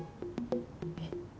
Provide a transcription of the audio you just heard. えっ？